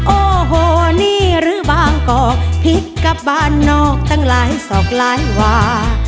โอ้โหนี่หรือบางกอกผิดกับบ้านนอกตั้งหลายศอกหลายวา